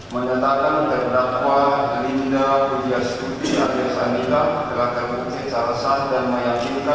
keban beberapa pernikahan rasa k